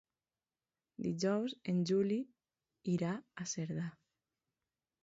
Dijous en Juli irà a Cerdà.